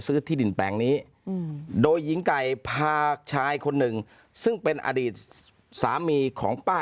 ที่ดินแปลงนี้โดยหญิงไก่พาชายคนหนึ่งซึ่งเป็นอดีตสามีของป้า